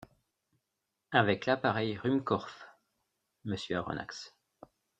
Avec l’appareil Ruhmkorff, monsieur Aronnax.